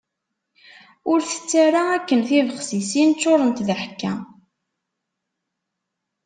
Ur tett ara akken tibexsisin, ččurent d aḥekka.